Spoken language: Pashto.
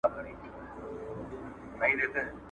نوش جان دي سه زما غوښي نوشوه یې !.